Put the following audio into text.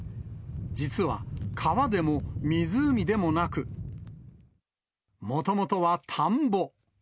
実は、川でも湖でもなく、もともとは田んぼ。